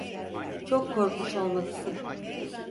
Çok korkmuş olmalısın.